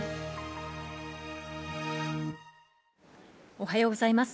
おはようございます。